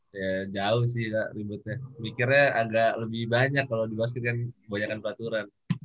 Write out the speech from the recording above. ya jauh sih ributnya mikirnya agak lebih banyak kalau di basket kan banyakan peraturan